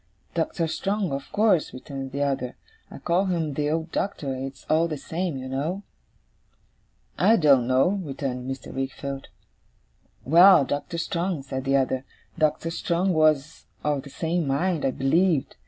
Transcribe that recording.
'Doctor Strong, of course,' returned the other; 'I call him the old Doctor; it's all the same, you know.' 'I don't know,' returned Mr. Wickfield. 'Well, Doctor Strong,' said the other 'Doctor Strong was of the same mind, I believed.